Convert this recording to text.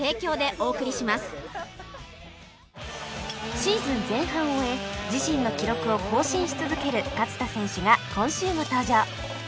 シーズン前半を終え自身の記録を更新し続ける勝田選手が今週も登場